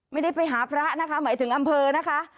ไม่ได้ไปหาพระนะคะหมายถึงอำเภอนะคะ